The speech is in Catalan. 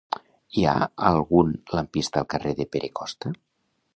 Hi ha algun lampista al carrer de Pere Costa?